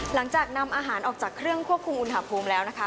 นำอาหารออกจากเครื่องควบคุมอุณหภูมิแล้วนะคะ